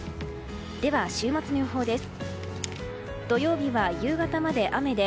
では、週末の予報です。